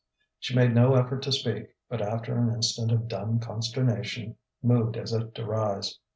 She made no effort to speak, but after an instant of dumb consternation, moved as if to rise.